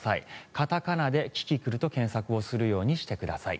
片仮名でキキクルと検索をするようにしてください。